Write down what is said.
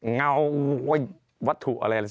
เงาวัตถุอะไร